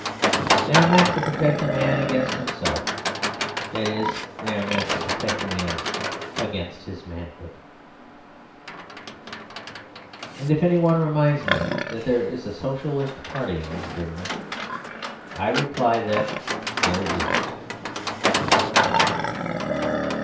They are meant to protect a man against himself that is, they are meant to protect a man against his manhood. And if anyone reminds me that there is a Socialist Party in Germany, I reply that there isn't.